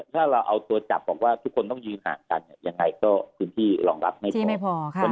ถ้าเราเอาตัวจับบอกว่าทุกคนต้องยืนห่างกันเนี่ยยังไงก็พื้นที่รองรับไม่ดีไม่พอค่ะ